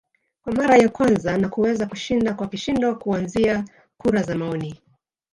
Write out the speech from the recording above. kwa mara ya kwanza na kuweza kushinda kwa kishindo kuanzia kura za maoni